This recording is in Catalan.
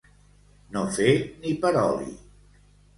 No fer ni per oli.